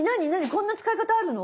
こんな使い方あるの？